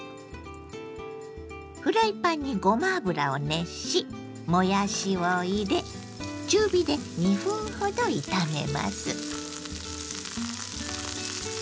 フライパンにごま油を熱しもやしを入れ中火で２分ほど炒めます。